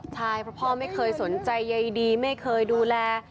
ใช่เพราะพ่อไม่เคยสนใจใยดีไม่เคยดูแล